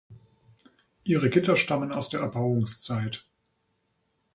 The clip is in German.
Ihre Gitter stammen aus der Erbauungszeit.